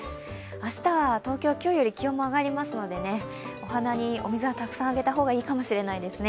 明日は東京、今日より気温も上がりますのでお花にお水はたくさんあげた方がいいかもしれないですね。